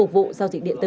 vụ giao dịch điện tử